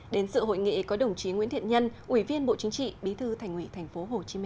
đến sự hội nghị có đồng chí nguyễn thiện nhân ủy viên bộ chính trị bí thư thành ủy tp hcm